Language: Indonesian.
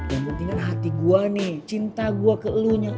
yang penting kan hati gue nih cinta gue keelunya